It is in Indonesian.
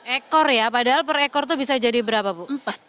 ekor ya padahal per ekor itu bisa jadi berapa bu